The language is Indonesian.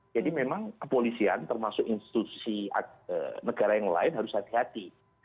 jadi memang kepolisian termasuk institusi negara yang lain harus hati hati